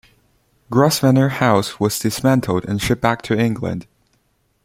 "Grosvenor House" was dismantled and shipped back to England.